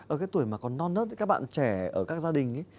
ở cái tuổi mà còn non nớt các bạn trẻ ở các gia đình ý